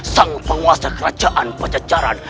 sang penguasa kerajaan pajajaran